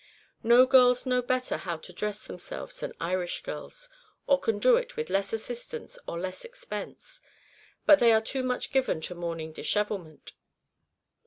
No girls know better how to dress themselves than Irish girls, or can do it with less assistance or less expense; but they are too much given to morning dishevelment.